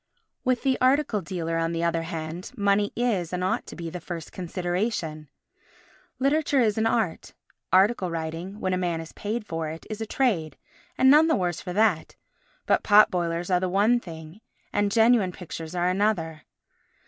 With the article dealer, on the other hand, money is, and ought to be, the first consideration. Literature is an art; article writing, when a man is paid for it, is a trade and none the worse for that; but pot boilers are one thing and genuine pictures are another.